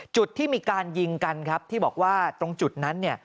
จุดที่มีการยิงกันที่บอกว่าตรงจุดนั้น